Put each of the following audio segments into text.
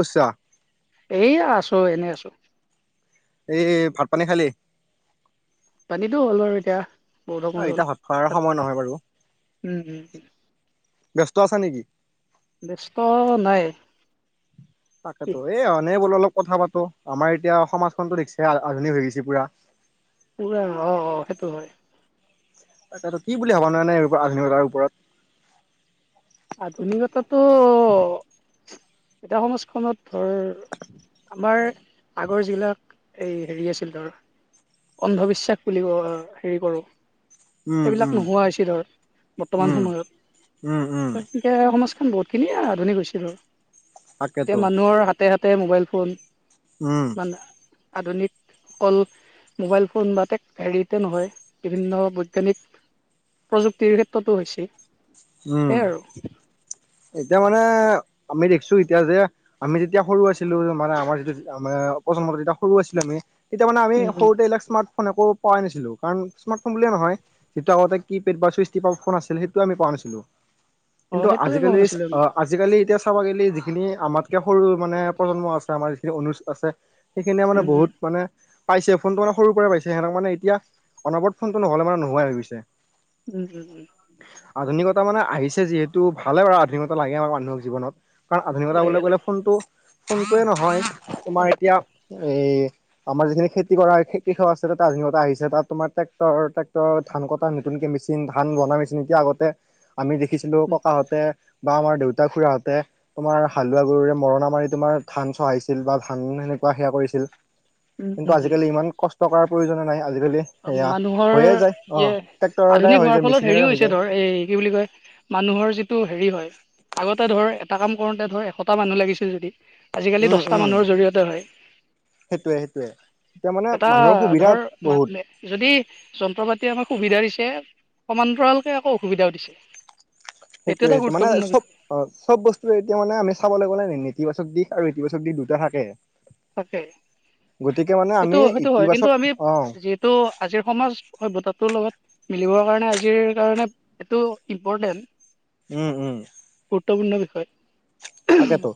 কৰিছা এইয়া আছো এনে আছো। এই ভাত-পানী খালি? পানীটো হ'ল বাৰু এতিয়া। [unintelligible] অ এতিয়া ভাত খোৱাৰ সময় নহয় বাৰু উম, উম ব্যস্ত আছা নেকি? ব্যস্ত নাই। কি তাকেতো এ অনে বোলো অলপ কথা পাতো। আমাৰ এতিয়া সমাজখনতো দেখছে আধুনিক হৈছে পুৰা। উৰ আৰু ন অ সেইটো হয়। তাকেটো কি বুলি ভাবা এনেনো আধুনিকতাৰ ওপৰত। আধুনিকতাটো এটা সমাজখনত ধৰ আমাৰ আগৰ যিবিলাক এই হেৰি আছিল ধৰ অন্ধবিশ্বাস বুলি ক হেৰি কৰো। উম এইবিলাক উম নোহোৱা হৈছিল ধৰ বৰ্তমান উম উম সময়ত। উম এক সমাজখন বহুত খিনিয় আধুনিক হৈছিল আৰু তাকেতো এতিয়া মানুহৰ হাতে হাতে মোবাইল ফ উম আধুনিক অকল মোবাইল ফোন বা হেৰিতে নহয় বিভিন্ন বৈজ্ঞানিক। প্ৰযুক্তিৰ ক্ষেত্ৰতো হৈছে। উম সেইয়াই আৰু এতিয়া মানে আমি দেখিছো এতিয়া যে আমি যেতিয়া সৰু আছিলো মানে আমাৰ যিটো আমাৰ প্ৰজন্মত যেতিয়া সৰু আছিলে আমি তেতিয়া মানে আমি উম উম সৰুতে এইবিলাক স্মাৰ্ট ফোন একো পোৱাই নাছিলো কাৰণ স্মাৰ্ট ফোন বুলিয়ে নহয় যিটো আগতে কি পেড বা চুইচটি ফোন আছিল সেইটো আমি পাওঁ। [unintelligible] পাইছিলো অ সেইটোয়ে কোৱা আজিকালি নাছিলো আমি আজিকালি এতিয়া চাব গলে যিখিনি আমাতকে সৰু মানে প্ৰজন্ম আছে আমাৰ যিখিনি অনুজ আছে সেইখিনিয়ে মানে উম উম বহুত মানে পাইছে ফোনটো মানে সৰু পৰাই পাইছে সিহঁক মানে এতিয়া অনবৰত ফোনটো নহলে মানে নোহাই হৈ গৈছে। উম হুম উম আধুনিকতা মানে আহিছে যিহেতু ভালে বাৰু আধুনিকতা লাগে আমাৰ মানুহক জীৱনত। কাৰণ আধুনিকতা লাগে বুলিলৈ গ'লে লাগে ফোনটো ফোনটোৱে নহয়। তোমাৰ এতিয়া এই আমাৰ যিখিনি খেতি কৰা কৃষক আছে আধুনিকতা আহিছে তাত তোমাৰ। ট্ৰেক্টৰ ট্ৰেক্টৰ ধান কতা নতুনকে মেচিন ধান বনা মেচিন এতিয়া আগতে আমি দেখিছিলো। উম ককাহঁতে বা আমাৰ দেউতা খুৰাহতে তোমাৰ হালোৱা গৰুৰে মৰণা মাৰি তোমাৰ ধান চহাইছিল বা ধান। উম সেনেকুৱা সেয়া কৰিছিল উম কিন্তু, উম আজিকালি ইমান কষ্ট কৰাৰ প্ৰয়োজনে নাই। আজিকালি সেয়া মানুহৰ হৈয়ে যায় অ ইয়ে ট্ৰেক্টৰৰ দ্বাৰাই আধুনিক হৈ হোৱাৰ যায় ফলত মেচিনেৰে হেৰিও হৈ হৈছে যায় ধৰ এই কি বুলি কয় মানুহৰ যিটো হেৰি হয় আগতে ধৰ এটা কাম কৰোঁতে ধৰ এশটা মানুহ লাগিছিল যদি আজিকালি উম দহটা উম। মানুহৰ জৰিয়তে হয়। সেইটোয়ে সেইটোয়ে এতিয়া মানে এটা মানুহৰ সুবিধা ধৰ বহুত। যদি যন্ত্ৰ পাতি আমাক সুবিধা দিছে সমান্তৰালকে আকৌ অসুবিধাও দিছে। সেইটো এটা সেইটোয়ে মানে গুৰুত্বপূৰ্ণ চব বিষয় অ চব বস্তুে এতিয়া মানে আমি চাবলৈ গ'লোই নেতিবাচক দি আৰু ইতিবাচক দি দুটা থাকে। থাকে। গতিকে মানে সেইটো আমি সেইটো হয় কিন্তু ইতিবাচক আমি অ যিহেতু আজিৰ সমাজ সভ্যতাটোৰ লগত মিলিবৰ কাৰণে আজিৰ কাৰণে এইটো ইম্পৰ্টেন্ট। উম উম। গুৰুত্বপূৰ্ণ বিষয়। তাকেতো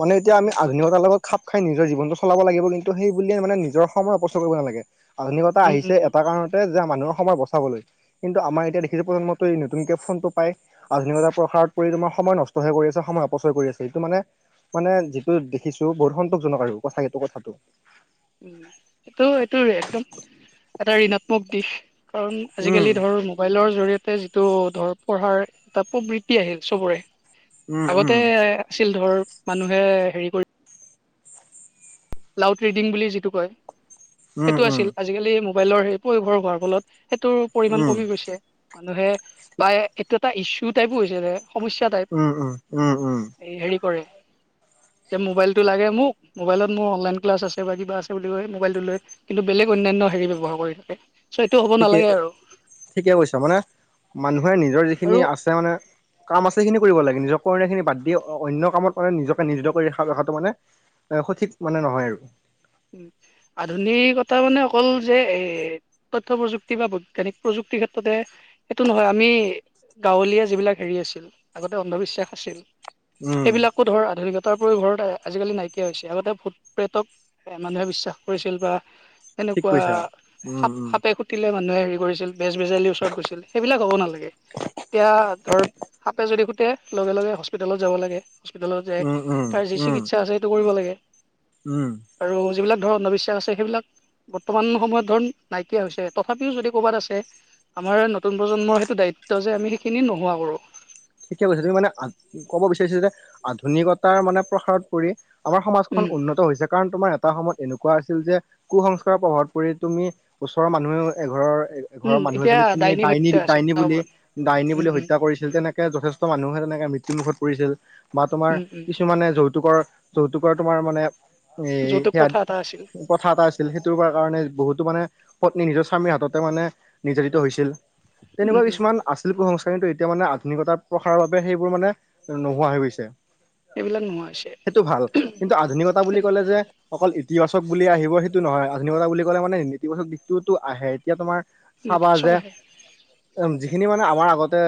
মানে এতিয়া আমি আধুনিকতাৰ লগত খাপ খাই নিজৰ জীৱনটো চলাব লাগিব কিন্তু, সেই বুলিয়ে মানে নিজৰ সময় অপচয় কৰিব নালাগে। আধুনিকতা উম আহিছে উম উম এটা কাৰণতে যে মানুহৰ সময় বচাবলৈ কিন্তু, আমাৰ এতিয়া দেখিছো প্ৰজন্মত এই নতুন কেব ফোনটো পাই আধুনিক বজাৰ প্ৰসাৰত কৰি তোমাৰ সময় নষ্টহে কৰি আছে সময় অপচয় কৰি আছে। সেইটো মানে মানে যিটো দেখিছো বহুত সন্তোষজনক আৰু কথা সেইটো কথাটো। উম সেইটো এইটো একদম এটা ঋণাত্মক দিশ। কাৰণ উম, আজিকালি ধৰ মোবাইলৰ জৰিয় তে যিটো ধৰ পঢ়াৰ এটা প্ৰবৃত্তি আহিল চবৰে উম, উম, আগতে আছিল ধৰ মানুহে হেৰি কৰি লাউড ৰিডিং বুলি যিটো কয় উম, সেইটো উম, আছিল আজিকালি মোবাইলৰ সেই প্ৰয়োভৰ হোৱাৰ ফলত, সেইটোৰ পৰিমণ উম, কমি গৈছে মানুহে বা এইটো এটা ইছ্যু টাইপো হৈছে যে সমস্যা টাইপ, উম, উম, উম, উম। এই হেৰি কৰে যে মোবাইলটো লাগে মোক, মোবাইলত মোৰ অনলাইন ক্লাছ আছে বা কিবা আছে বুলি ক মবাইলটো লৈ কিন্তু বেলেগ অন্যানয় হেৰি ব্যৱহাৰ কৰি থাকে। চ' এইটো হ'ব ঠিকে নালাগে আৰু ঠিকে কৈছ মানে মানুহে নিজৰ যিখিনি আৰু আছে মানে কাম আছে সেইখিনি কৰিব লাগে নিজৰ কৰনিয়াখিনি বা অন্য কামত মানে নিজকে নিয়োজিত কৰি ৰখা ৰখাটো মানে এ সঠিক মানে নহয় আৰু। আধুনিক কথা মানে অকল যে এ তথ্য প্ৰযুক্তি বা বৈজ্ঞানিক প্ৰযুক্তি ক্ষেত্ৰতে সেইটো নহয় আমি গাঁৱলীয়া যিবিলাক হেৰি আছিল আগতে অন্ধবিশ্বাস আছিল। উম সেইবিলাকো ধৰ আধুনিকতাৰ উপৰিও ঘৰত আজিকালি নাইকিয়া হৈছে আগতে ভূত প্ৰেতক। এ মানুহে বিশ্বাস কৰিছিল বা ঠিক তেনেকুৱা কৈছা উম সাপ উম সাপে খুটিলে মানুহে হেৰি কৰিছিল। বেজ বেজালিৰ ওচৰত গৈছিল সেইবিলাক হ'ব নালাগে, এতিয়া ধৰ সাপে যদি খু তে লগে লগে হস্পিতেলত যাব লাগে, হস্পিটেলত যাই উম উম তাৰ যি উম চিকিৎসা আছে সেইটো কৰিব লাগে। উম আৰু যিবিলাক ধৰ অন্ধবিশ্বাস আছে সেইবিলাক বৰ্তমান সময়ত ধৰ নাইকিয়া হৈছে, তথাপিও যদি ক'ৰবাত আছে। আমাৰ নতুন প্ৰজন্মৰ সেইটো দায়িত্ব যে আমি সেইখিনি নোহোৱা কৰোঁ। ঠিকে কৈছা তুমি মানে ক'ব বিচাৰিছা যে আধুনিকতাৰ মানে প্ৰসাৰত পৰি আমাৰ সমাজখন উম উন্নত হৈছে কাৰণ তোমাৰ এ এটা সময়ত এনেকুৱা আছিল যে কুস্কাৰৰ প্ৰভাৱ পৰি তুমি ওচৰৰ মানুহে এঘৰৰ ঘৰৰ উম মানুহ এতিয়া এজনীক তুমি ডাইনী হত্যা আছিল ডাইনী এটা বুলি সময়ত ডাইনী উম বুলি উম হত্যা কৰিছিল তেনেকে। যথেষ্ট মানুহে তেনেকে মৃত্যুমুখত পৰিছিল বা তোমাৰ উম উম কিছুমানে যৌতুকৰ যৌতুকৰ তোমাৰ মানে এ যৌতুক সেয়া প্ৰথা এটা আছিল কথা এটা আছিল সেইটো কাৰণে বহুতো মানে। পত্নী নিজৰ স্বামীৰ হাততে মানে নিৰ্যাৰিত হৈছিল, তেনেকুৱা উম কিছুমান আছিল প্ৰসংস্কাৰ কিন্তু এতিয়া মানে আধুনিকতাৰ প্ৰসাৰৰ বাবে সেইবোৰ মানে নোহোৱা হৈ গৈছে। এইবিলাক নোহোৱা হৈছে সেইটো ভাল কিন্তু আধুনিকতা বুলি সেইটো ক'লে যে অকল ইতিবাচক বুলি আহিব সেইটো নহয় আধুনিকতা বুলি ক'লে মানে নিতিবাচক দিশটোতো আহে এতিয়া তোমাৰ নিশ্চয় আহে উ যিখিনি মানে আমাৰ আগতে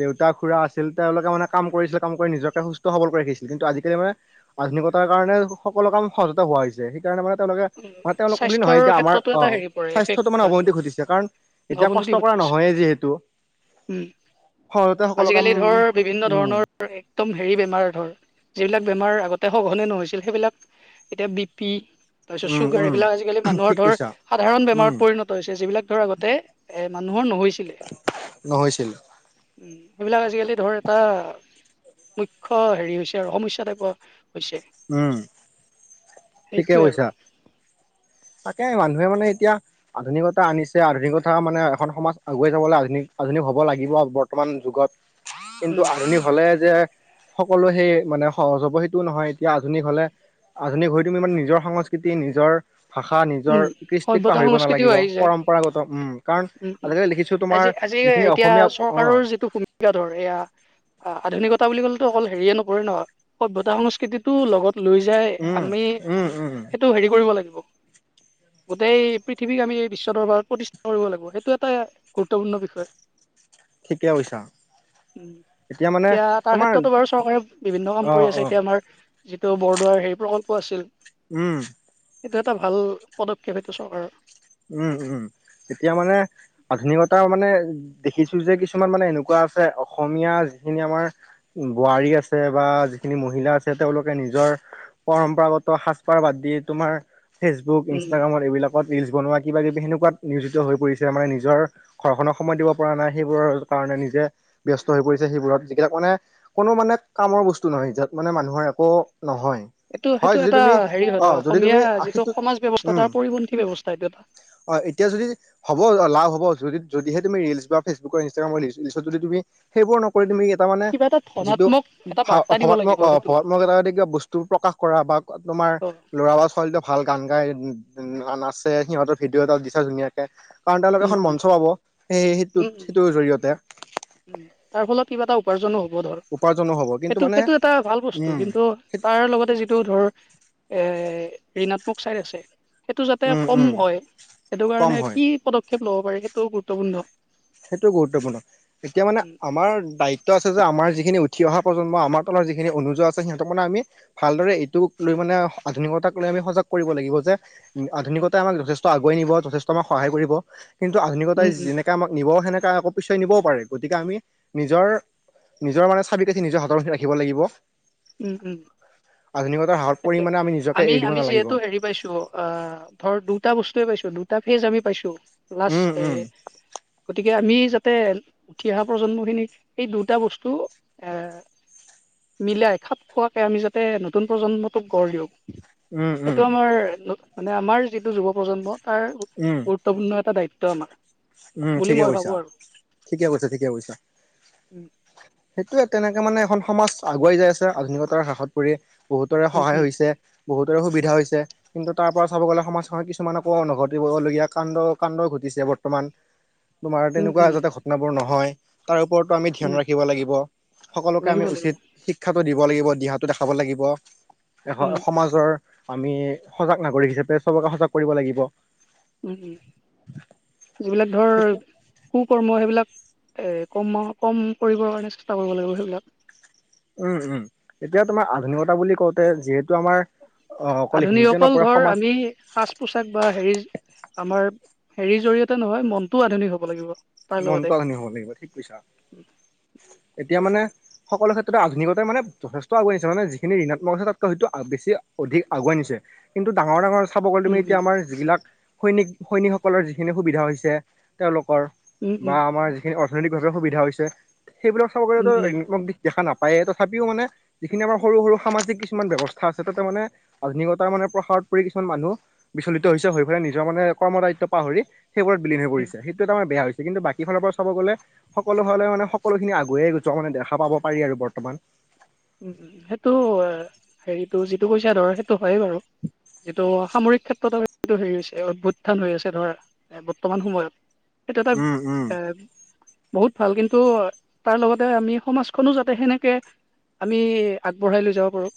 দেউতা খুৰা আছিল তেওঁলোকে মানে কাম কৰিছিল কাম কৰি নিজকে সুস্থ সবল কৰি ৰাখিছিল কিন্তু আজিকালি মানে কাৰণে সকলো কাম সহজতে হোৱা হৈছে সেইকাৰণে মানে তেওঁলোকে মানে তেওঁলোক বুলি স্বাস্থ্যৰ নহয় যে আমাৰ ক্ষেত্ৰতো অ এটা হেৰি পৰে এফেক্ট স্বাস্থ্যটো মানে হয় অৱনতি আমাৰ ঘটিছে কাৰণ এতিয়া কষ্ট অৱনতি কৰা ঘটি আছে নহয়েই যিহেতু উম সহজতে সকলো কাম আজিকালি ধৰ বিভিন্ন উম ধৰণৰ একদম হেৰি বেমাৰ ধৰ যিবিলাক বেমাৰ আগতে সঘনে নহৈছিল সেইবিলাক এতিয়া বি পি তাৰপিছত উম চুগাৰ উম এইবিলাক আজিকালি মানুহৰ ঠিক ধৰ কৈছা সাধাৰণ বেমাৰত উম পৰিণত হৈছে যিবিলাক আগতে এ মানুহৰ নহৈ উ নহৈছিল এইবিলাক আজিকালি ধৰ এটা মুখ্য হেৰি হৈছে আৰু সমস্যা টাইপৰ উম ঠিকে সেইটোয়ে আৰু কৈছা তাকে মানুহে মানে এতিয়া আধুনিকতা আনিছে আধুনিকতা মানে এখন সমাজ আগুৱাই যাবলৈ আধুনিক আধুনিক হ'ব লাগিব বৰ্তমান যুগত কিন্তু উম আধুনিক হ'লে যে সকলো সেই মানে সহজ হ'ব সেইটো নহয় এতিয়া আধুনিক হলে আধুনিক হৈ তুমি মানে নিজৰ সংস্কৃতি নিজৰ ভাষা উম নিজৰ কৃষ্টিক সভ্যতা পাহৰিব সংস্কৃতিও নালাগিব আহি যায় পৰম্পৰাগত উম কাৰণ আজিকালি লিখিছো তোমাৰ জি যিখিনি এতিয়া অসমীয়া অ চৰকাৰৰ যিটো সুবিধা ধৰ এয়া আধুনিকতা বুলি ক'লে অকল হেৰিয়ে নকৰে নহয় সভ্যতা সংস্কৃতিটো লগত লৈ যাই উম আমি উম উম সেইটো হেৰি কৰিব লাগিব [inaudible] গোটেই পৃথিৱীক আমি এই বিশ্ব দৰবাৰত প্ৰতিষ্ঠা কৰিব লাগিব সেইটো এটা গুৰুত্বপূৰ্ণ বিষয় ঠিকে কৈছা উ মানে এতিয়া তাৰ তোমাৰ ক্ষেত্ৰতো বাৰু চৰকাৰে বিভিন্ন কাম অ কৰি আছে অ এতিয়া আমাৰ যিটো বৰদোৱাৰ হেৰি প্ৰকল্প আছিল উম এইটো এটা ভাল পদক্ষেপ এইটো চৰকাৰৰ। উম উম তেতিয়া মানে আধুনিকতাৰ মানে দেখিছো যে কিছুমান মানে এনেকুৱা আছে অসমীয়া যিখিনি আমাৰ বোৱাৰী আছে বা বা যিখিনি মহিলা আছে তেওঁলোকে নিজৰ পৰম্পৰাগত সাজ পাৰ বাদ দি তোমাৰ ফেচবুক উম ইনষ্টাগ্ৰামৰ এইবিলাকত ৰিলচ বনোৱা কিবা কিবি সেনেকুৱাত নিয়োজিত হৈ পৰিছে মানে নিজৰ ঘৰখনৰ সময় দিব পৰা নাই সেইবোৰৰ কাৰণে নিজে ব্যস্ত হৈ পৰিছে সেইবোৰত সেইবিলাক মানে কোনো মানে কামৰ বস্তু নহয় সেইযাত মানে মানুহৰ একো নহয় এইটো সেইটো হয় যদি এটা তুমি হেৰি হয় অ ধৰ যদি অসমীয়া তুমি যিটো আশীটো সমাজ ব্যৱস্থা উম তাৰ পৰিপন্থী ব্যৱস্থা এইটো এটা অ এতিয়া যদি হ'ব লাভ হয় যদি যদিহে তুমি ৰিলছ বা ফেচবুকৰ ইনষ্টাগ্ৰামৰ যদি তুমি সেইবোৰ নকৰি তুমি এটা মানে কিবা এটা যিটো ধনাত্মক এটা ভ বাৰ্তা দিব ভবাত্মক লাগিব অ সেইটো ভবাত্মক এটা কিবা বস্তু প্ৰকাশ কৰা বা তোমাৰ অ লৰা বা ছোৱালী ভাল গান গাই নাচে সিহঁতৰ ভিডিঅ' এটা দিছে ধুনীয়াকে কাৰণ তেওঁলোকে উম এখন উম মঞ্চ পাব সেই উম সেইটোত উম সেইটোৰ জৰিয়তে উম তাৰ ফলত কিবা এটা উপাৰ্জনো হ'ব ধৰ উপাৰ্জনো হ'ব কিন্তু সেইটো মানে সেইটো এটা ভাল বস্তু উম কিন্তু তাৰ লগতে যিটো ধৰ এ ঋণাত্মক ছাইড আছে। সেইটো যাতে উম কম উম হয় সেইটো কম কাৰণে হয় কি পদক্ষেপ ল'ব পাৰে সেইটোও গুৰুত্বপূৰ্ণ সেইটো গুৰুত্বপূৰ্ণ এতিয়া মানে উম আমাৰ দায়িত্ব আছে। যে আমাৰ যিখিনি উঠি অহা প্ৰজন্ম আমাৰ তলৰ যিখিনি অনুজ আছে সিহঁতক মানে ভালদৰে এইটোক লৈ মানে আধুনিকতাক লৈ আমি সজাগ কৰিব লাগিব যে আধুনিকতাই আমাক যথেষ্ট আগুৱাই নিব যথেষ্ট আমাক সহায় কৰিব। কিন্তু আধুনিকতাই উম উম যেনেকে আমাক নিব সেনেকে আকৌ পিছোয়াই নিবও পাৰে গতিকে আমি নিজৰ নিজৰ মানে চাবি কাঠি নিজৰ হাতৰ ৰাখিব লাগিব। উম উম আধুনিকতাৰ হাৰত পৰি তাকে মানে নিজকে আমি এৰি দিব আমি নালাগিব। যিহেতু হেৰি পাইছো অ ধৰ দুটা বস্তুয়ে পাইছো দু টা ফেজ আমি পাইছো লাষ্ট উম এ উম গতিকে আমি যাতে উঠি অহা প্ৰজন্মখিনিক এই দুটা বস্তু মিলাই খাপ খোৱাকে আমি যাতে নতুন প্ৰজন্ম ক গঢ় দিয়ক উম উম সেইটো আমাৰ মানে আমাৰ যিটো যুৱ প্ৰজন্ম তাৰ উম গুৰুত্বপূৰ্ণ এটা দায়িত্ব আমাৰ উম বুলি ঠিকে মই ভাবো কৈছা, আৰু ঠিকে কৈছা, ঠিকে কৈছা। উম সেইটোৱে তেনেকে মানে এখন সমাজ আগুৱাই যাই আছে আধুনিকতাৰ হ্ৰাসত পৰি বহুতৰে উম সহায় উম হৈছে। বহুতৰে সুবিধা হৈছে কিন্তু তাৰ পৰা চাব গ'লে সমাজখনত কিছুমানকো নঘটিবলগীয়া কাণ্ড কাণ্ড ঘটি বৰ্তমান তোমাৰ উম তেনেকুৱা উম যাতে ঘটনাৰ নহয় তাৰ ওপৰতো আমি ধ্যান উম ৰাখি। ৰাখিব লাগিব সকলোকে আমি লাগিব লাগিব উচিত শিক্ষাটো দিব লাগিব দিহাটো দেখাব লাগিব। এ উম সমাজৰ আমি সজাগ নাগৰিক হিচাপে সবকে সজাগ কৰিব লাগিব। উ যিবিলাক ধৰ কু কৰ্ম সেইবিলাক। এ কমাহ কম কৰিবৰ কাৰণে চেষ্টা কৰিব লাগিব সেইবিলাক। উম উম এতিয়া তোমাৰ আধুনিকতা বুলি কওঁতে যিহেতু আমাৰ অ অকল আধুনিক হিন্দীতে অকল নপৰে ধৰ সমাজ আমি সাজ পোছাক বা হেৰি আমাৰ হেৰিৰ জৰিয়তে নহয় মনটোও আধুনিক হ'ব লাগিব। তাৰ লগতে মনটো আধুনিক হ'ব লাগিব ঠিক কৈছা, এতিয়া সেইটোৱে মানে সকলো ক্ষেত্ৰ তাতে আধুনিকতাই মানে যথেষ্ট আগুৱাই নিছে মানে যিখিনি ঋণাত্মক আছে তাতকৈ হয়তো বেছি অধিক আগুৱাই নিছে কিন্তু টোৰ ডাঙৰ ডাঙৰ চাব গ'লে তুমি উম এতিয়া আমাৰ যিবিলাক সৈনিক সৈনিকসকলৰ যিখিনি সুবিধা হৈছে তেওঁলোকৰ উম উম বা আমাৰ যিখিনি অৰ্থনৈতিকভাৱে সুবিধা হৈছে সেইবিলাক চাব উম উম গলেতো উম উম ঋণাত্মক দিশ দেখা না পায়ে তথাপিও মানে যিখিনি আমাৰ সৰু সৰু সামাজিক কিছুমান ব্যৱস্থা আছে তাতে মানে আধুনিকতা মানে প্ৰসাৰত পৰি কিছুমান মানুহ বিচলিত হৈছে হৈ ফেলাই নিজৰ মানে কৰ্ম দায়িত্ব পাহৰি সেইবোৰ বিলিন হৈ পৰিছে সেইটো এটা‌ আমৰ বেয়া হৈছে কিন্তু বাকী ফালৰ পৰা চাব গ'লে সকলো ফালে মানে সকলোখিনি আগুৱায়ে যোৱা মানে দেখা পাব পাৰি আৰু বৰ্তমান উ সেইটো হেৰিতটো যিটো কৈছা ধৰ সেইটো হয়ে বাৰু যিটো সামৰিক ক্ষেত্ৰত আৰু সেইটো হেৰি হৈছে অভ্যুত্থান হৈ আছে ধৰা বৰ্তমান সময়ত এটো এটা উম, উম, আহ বহুত ভাল কিন্তু তাৰ লগতে আমি সমাজখনো যাতে সেনেকে আমি আগবঢ়াই লৈ যাব পাৰোঁ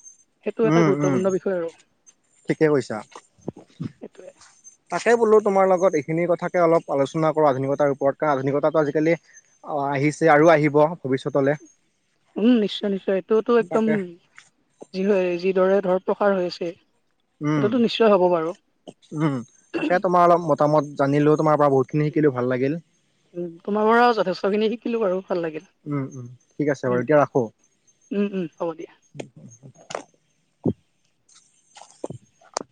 সেইটো এটা উম, উম, গুৰুত্বপূৰ্ণ বিষয় আৰু ঠিকে কৈছা। সেইটোৱে তাকে বোলো তোমাৰ লগত এইখিনি কথাকে অলপ আলোচনা কৰো আধুনিকতাৰ ওপৰত কাৰ আধুনিকতো আজিকালি অ আহিছে আৰু আহিব ভৱিষ্যতলৈ উম নিশ্চয় নিশ্চয় এইটোতো একদম যি হয় যিদৰে ধৰ প্ৰসাৰ হৈ আছে। উম সেইটোতো নিশ্চয় হ'ব বাৰু উম তাকে তোমাৰ অলপ মতামত জানিলেও তোমাৰ পৰা বহুতখিন শিকিলো ভাল লাগিল উ তোমাৰ পৰা যথেষ্ট খিনি শিকিলো বাৰু ভাল লাগিল উম, উম, ঠিক আছে বাৰু উম এতিয়া ৰাখোঁ। উম উম হ'ব দিয়া [unintelligible] [inaudible]